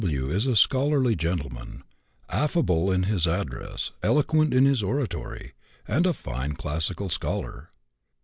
W. is a scholarly gentleman, affable in his address, eloquent in his oratory, and a fine classical scholar.